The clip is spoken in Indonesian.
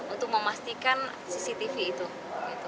untuk memastikan cctv itu